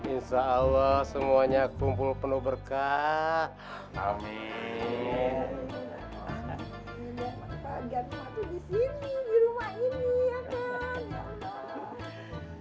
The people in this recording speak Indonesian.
insyaallah semuanya kumpul penuh berkah amin